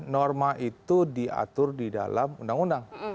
norma itu diatur di dalam undang undang